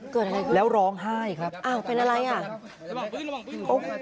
เกิดอะไรขึ้นครับอ้าวเป็นอะไรอ่ะแล้วร้องไห้ครับ